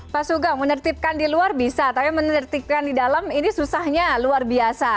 pak sugeng menertibkan di luar bisa tapi menertibkan di dalam ini susahnya luar biasa